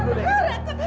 i lihat ibu